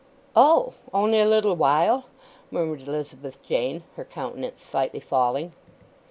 "Oh—only a little while?" murmured Elizabeth Jane, her countenance slightly falling.